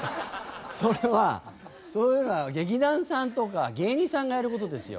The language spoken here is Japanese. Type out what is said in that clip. それはそういうのは劇団さんとか芸人さんがやる事ですよ。